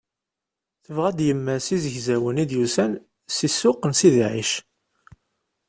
Tebɣa-d yemma-s izegzawen i d-yusan seg ssuq n Sidi Ɛic.